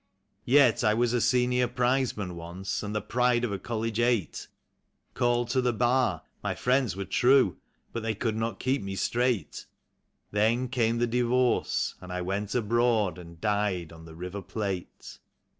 Yet I was a senior prizeman once, and the pride of a college eight; Called to the bar — my friends were true ! but they could not keep me straight; Then came the divorce, and I went abroad and " died " on the Eiver Plate.